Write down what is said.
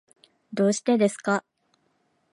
どうしてですか？